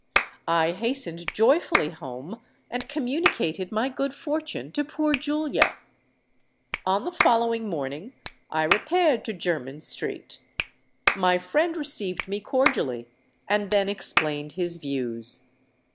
I hastened joyfully home, and communicated my good fortune to poor Julia. On the following morning I repaired to Jermyn Street. My friend received me cordially, and then explained his views.